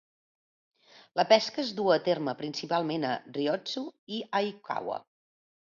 La pesca es duu a terme principalment a Ryotsu i Aikawa.